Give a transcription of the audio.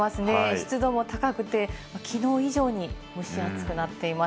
湿度も高くて、きのう以上に蒸し暑くなっています。